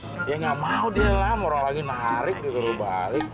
ya gak mau deh ram orang lagi marik terus balik